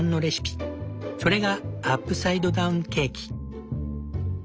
それがアップサイドダウンケーキ。